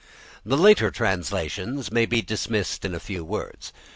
The later translations may be dismissed in a few words.